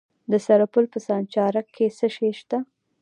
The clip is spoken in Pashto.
د سرپل په سانچارک کې څه شی شته؟